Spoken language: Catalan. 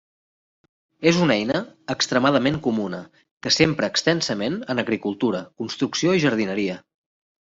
És una eina extremadament comuna que s'empra extensament en agricultura, construcció i jardineria.